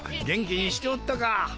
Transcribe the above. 元気にしておったか。